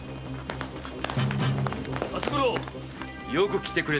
辰五郎よく来てくれたな。